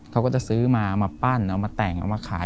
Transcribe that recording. เขาก็จะซื้อมามาปั้นเอามาแต่งเอามาขาย